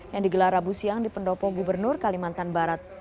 yang digelar rabu siang di pendopo gubernur kalimantan barat